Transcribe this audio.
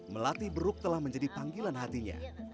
melatih buruk telah menjadi panggilan hatinya